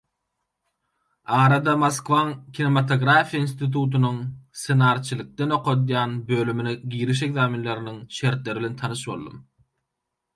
Arada, Moskwaň kinomatografiýa institutynyň ssenariçilikden okadýan bölümine giriş ekzamenleriiniň şertleri bilen tanyş boldum.